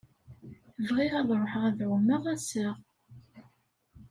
Bɣiɣ ad ruḥeɣ ad ɛummeɣ ass-a.